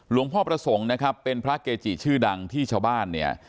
หลวงพ่อประสงค์นะครับเป็นพระเกจิชื่อดังที่ชาวบ้านเนี่ย